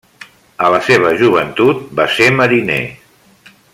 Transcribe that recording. A la seva joventut, va ser mariner.